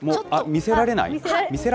見せられない？